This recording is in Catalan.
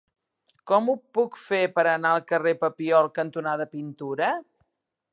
Com ho puc fer per anar al carrer Papiol cantonada Pintura?